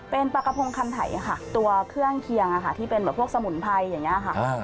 เป็นปลากระพงคันไถค่ะตัวเครื่องเคียงที่เป็นแบบพวกสมุนไพรอย่างนี้ค่ะ